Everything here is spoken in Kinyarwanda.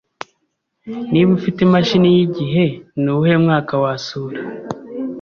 Niba ufite imashini yigihe, ni uwuhe mwaka wasura?